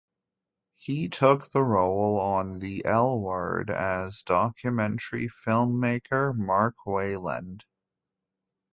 He took the role on "The L Word" as documentary filmmaker Mark Wayland.